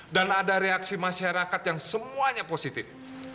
dan ada reaksi masyarakat yang semuanya positif